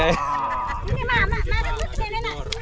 gini mah mak mak mak